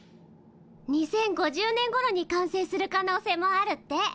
２０５０年ごろに完成する可能性もあるって。